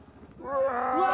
うわ！